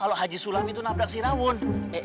kalo haji sulam itu nabrak si raun